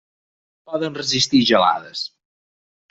Poden resistir gelades.